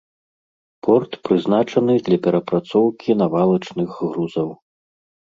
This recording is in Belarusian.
Порт прызначаны для перапрацоўкі навалачных грузаў.